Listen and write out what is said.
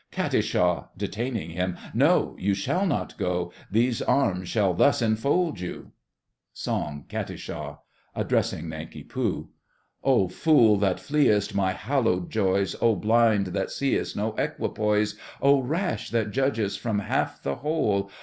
KAT. (detaining him). No! You shall not go, These arms shall thus enfold you! SONG—KATISHA. KAT. (addressing Nanki Poo). Oh fool, that fleest My hallowed joys! Oh blind, that seest No equipoise! Oh rash, that judgest From half, the whole!